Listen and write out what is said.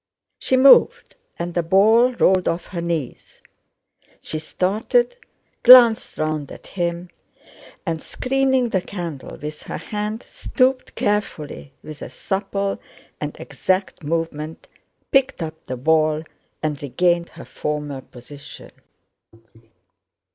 She moved, and the ball rolled off her knees. She started, glanced round at him, and screening the candle with her hand stooped carefully with a supple and exact movement, picked up the ball, and regained her former position.